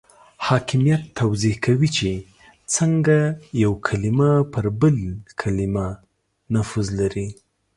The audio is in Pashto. حاکمیت توضیح کوي چې څنګه یو کلمه پر بل کلمه نفوذ لري.